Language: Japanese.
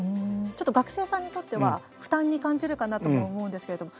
ちょっと学生さんにとっては、負担に感じるかなとも思うんですけれども。